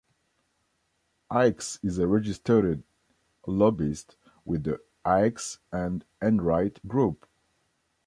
Ickes is a registered lobbyist with the Ickes and Enright Group.